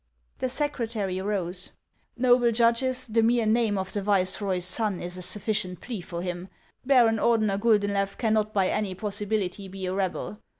The secretary rose :" Xoble judges, the mere name of the viceroy's son is a sufficient plea for him. Baron Ordener Guldenlew cannot by any possibility be a rebel.